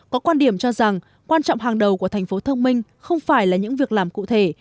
có quan điểm cho rằng quan trọng hàng đầu của thành phố thông minh không phải là những việc làm cụ thể